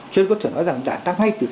chúng ta có thể nói rằng đảng đang hay